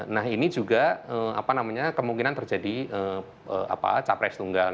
nah ini juga kemungkinan terjadi capres tunggal